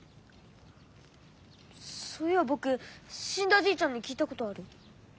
そういやぼくしんだじいちゃんに聞いたことある。